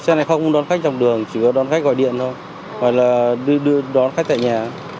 xe này không đón khách trong đường chỉ có đón khách gọi điện thôi hoặc là đưa đón khách tại nhà